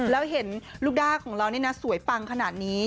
แล้วเห็นลูกด้าของเรานี่นะสวยปังขนาดนี้